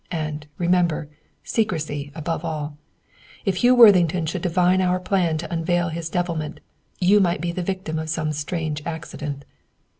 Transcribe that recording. And, remember, secrecy above all. If Hugh Worthington should divine our plan to unveil his devilment, you might be the victim of some 'strange accident!'